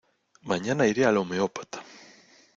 Mañana iré al homeópata.